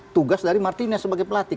tugas dari martine sebagai pelatih